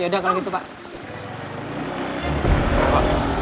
yaudah kalau gitu pak